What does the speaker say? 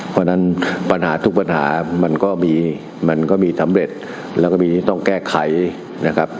เพราะฉะนั้นปัญหาทุกปัญหามันก็มีมันก็มีสำเร็จแล้วก็มีต้องแก้ไขนะครับ